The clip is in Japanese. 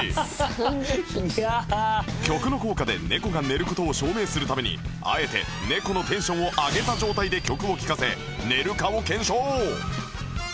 曲の効果で猫が寝る事を証明するためにあえて猫のテンションを上げた状態で曲を聴かせ寝るかを検証！